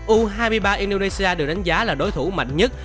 u hai mươi ba indonesia được đánh giá là đối thủ mạnh nhất